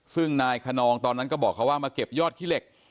ซึ่งนายคนนองตอนนั้นก็บอกเขาว่ามาเก็บยอดขี้เหล็ก